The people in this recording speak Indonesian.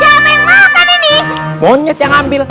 siapa yang makan ini monyet yang ambil